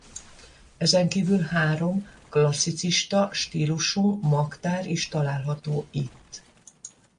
Ezenkívül három klasszicista stílusú magtár is található itt.